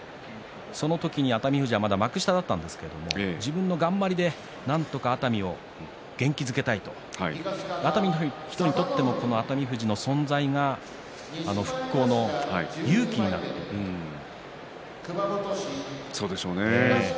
その時に熱海富士は幕下だったんですが自分の頑張りで熱海を元気づけたい熱海市の人に取っても熱海富士の活躍が復興の元気になっているそうですよね。